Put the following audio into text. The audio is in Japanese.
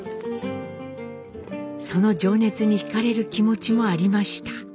その情熱にひかれる気持ちもありました。